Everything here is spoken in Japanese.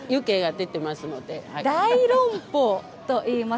大籠包といいます。